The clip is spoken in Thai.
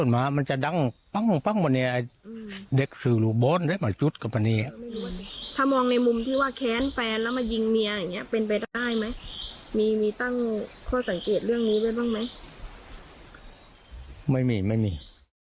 ไม่มีไม่มี